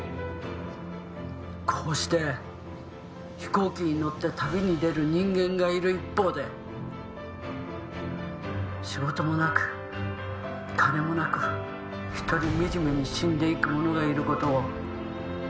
「こうして飛行機に乗って旅に出る人間がいる一方で仕事もなく金もなくひとり惨めに死んでいく者がいる事を」